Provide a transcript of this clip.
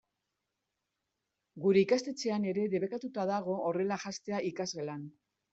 Gure ikastetxean ere debekatuta dago horrela janztea ikasgelan.